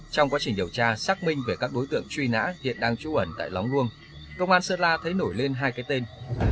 trong quá trình điều tra xác minh về các đối tượng truy nã hiện đang trú ẩn tại lóng luông công an sơn la thấy nổi lên hai cái tên